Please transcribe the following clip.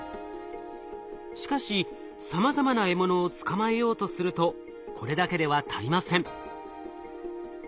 しかしさまざまな獲物を捕まえようとするとこれだけでは足りません。